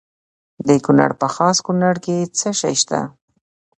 د کونړ په خاص کونړ کې څه شی شته؟